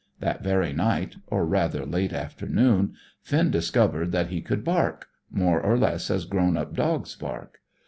That very night, or rather late afternoon, Finn discovered that he could bark, more or less as grown up dogs bark.